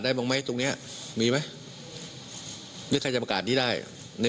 ต้องประกาศเองได้เหรอ